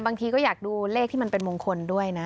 บางทีก็อยากดูเลขที่มันเป็นมงคลด้วยนะ